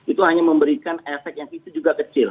itu hanya memberikan efek yang itu juga kecil